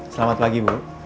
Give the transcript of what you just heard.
selamat pagi bu